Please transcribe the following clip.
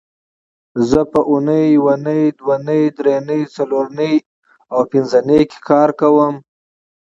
زه په اونۍ یونۍ دونۍ درېنۍ څلورنۍ او پبنځنۍ کې کار کوم